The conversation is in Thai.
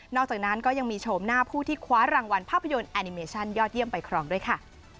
อกจากนั้นก็ยังมีโฉมหน้าผู้ที่คว้ารางวัลภาพยนตร์แอนิเมชั่นยอดเยี่ยมไปครองด้วยค่ะ